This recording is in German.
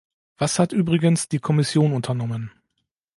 Was hat übrigens die Kommission unternommen?